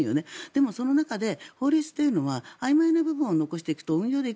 でも、その中で法律というのはあいまいな部分を残していくと運用の部分で